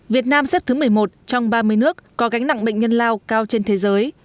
việt nam xếp thứ một mươi một trong ba mươi nước có gánh nặng bệnh nhân lao cao trên thế giới